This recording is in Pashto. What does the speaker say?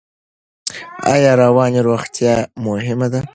ایا رواني روغتیا مهمه ده؟